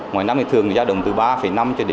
ngoài năm thì thường gia đồng từ ba năm cho đến bốn